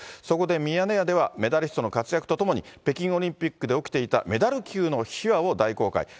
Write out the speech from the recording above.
そこで、ミヤネ屋ではメダリストの活躍とともに、北京オリンピックで起きていたメダル級の秘話を大公開。